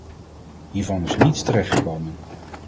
Hiervan is niets terechtgekomen.